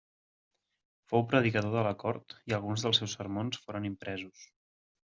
Fou predicador de la cort i alguns dels seus sermons foren impresos.